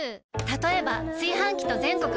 たとえば炊飯器と全国